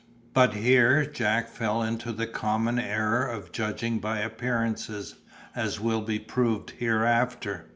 But here Jack fell into the common error of judging by appearances, as will be proved hereafter.